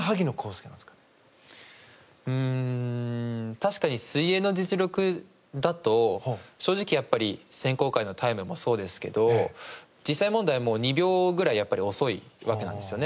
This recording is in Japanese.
確かに水泳の実力だと正直、選考会のタイムもそうですけど実際問題、２秒ぐらい遅いわけなんですよね。